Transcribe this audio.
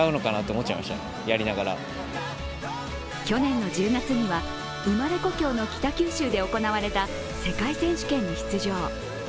去年の１０月には生まれ故郷の北九州で行われた世界選手権に出場。